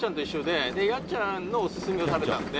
「でやっちゃんのオススメを食べたので」